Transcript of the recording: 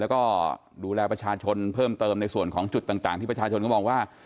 แล้วก็ดูแลประชาชนเพิ่มเติมในส่วนของจุดต่างที่ประชาชนก็มองว่า